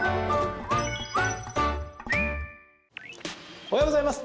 おはようございます。